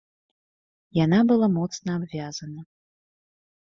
Яна была моцна абвязана.